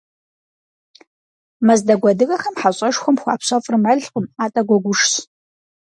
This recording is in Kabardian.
Мэздэгу адыгэхэм хьэщӏэшхуэм хуапщэфӏыр мэлкъым, атӏэ гуэгушщ.